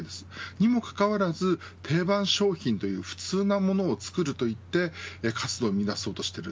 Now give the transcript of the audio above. にもかかわらず、定番商品という普通のものを作ると言って活路を見いだそうとしている。